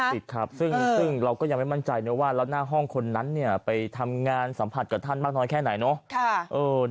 ติดครับซึ่งเราก็ยังไม่มั่นใจนะว่าแล้วหน้าห้องคนนั้นเนี่ยไปทำงานสัมผัสกับท่านมากน้อยแค่ไหนเนาะ